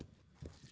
bapak apaan ganti